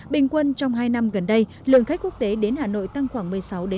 bình quân trong hai năm gần đây lượng khách quốc tế đến hà nội tăng khoảng một mươi sáu